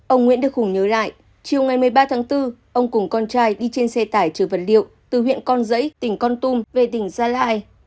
ông nguyễn đức hùng nhớ lại chiều ngày một mươi ba tháng bốn ông cùng con trai đi trên xe tải trừ vật liệu từ huyện con giấy tỉnh con tum về tỉnh gia lai